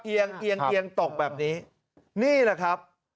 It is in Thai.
เอียงตกแบบนี้นี่นะครับ